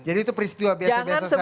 jadi itu peristiwa biasa biasa saja